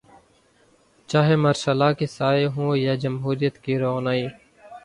چاہے martial law کے سائے ہوں یا جمہوریت کی رعنائیاں۔